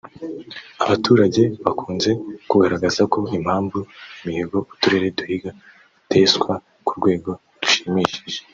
Abaturage bakunze kugaragaza ko impamvu imihigo uturere duhiga iteswa ku rwego rushimishije